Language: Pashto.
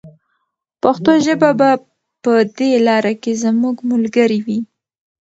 پښتو ژبه به په دې لاره کې زموږ ملګرې وي.